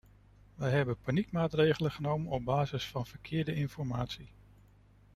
Wij hebben paniekmaatregelen genomen op basis van verkeerde informatie.